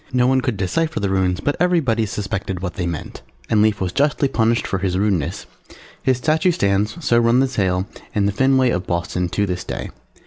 No one could decipher the Runes, but everybody suspected what they meant. And Lief was justly punished for his rudeness, his statue stands (so runs the tale) in the Fenway of Boston to this day.